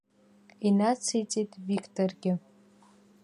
Инациҵеит Викторгьы.